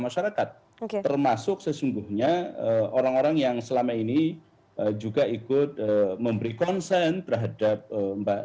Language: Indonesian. masyarakat termasuk sesungguhnya orang orang yang selama ini juga ikut memberi konsen terhadap mbak